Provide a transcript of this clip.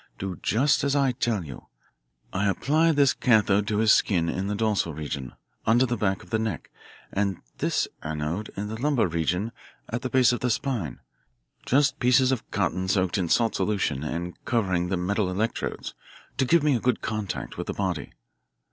Do just as I tell you. I apply this cathode to his skin in the dorsal region; under the back of the neck, and this anode in the lumbar region at the base of the spine just pieces of cotton soaked in salt solution and covering the metal electrodes, to give me a good contact with the body."